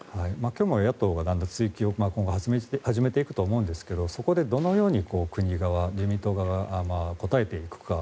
今日も野党が追及を始めていくと思うんですがそこでどのように国側、自民党側が答えていくか。